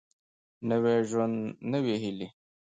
نوی ژوند نوي هېلې